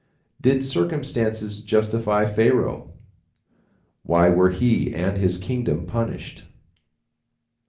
Did circumstances justify Pharaoh? Why were he and his kingdom punished?